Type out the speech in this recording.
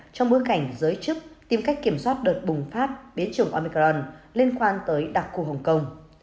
trong bối cảnh giới chức tìm cách kiểm soát đợt bùng phát biến chủng omicron liên quan tới đặc khu hồng kông